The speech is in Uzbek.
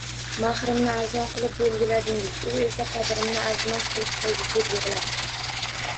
Mahrimni arzon qilib belgiladingiz, u esa qadrimni arzimas qilib qo'ydi, deb yig'labdi